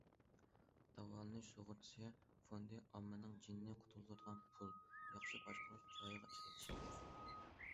داۋالىنىش سۇغۇرتىسى فوندى ئاممىنىڭ جېنىنى قۇتۇلدۇرىدىغان پۇل، ياخشى باشقۇرۇش، جايىغا ئىشلىتىش كېرەك.